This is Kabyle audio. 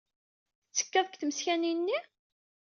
Tettekkad deg tmeskanin-nni?